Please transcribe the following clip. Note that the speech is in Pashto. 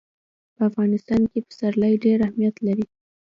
په افغانستان کې پسرلی ډېر اهمیت لري.